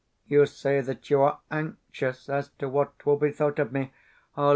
You say that you are anxious as to what will be thought of me.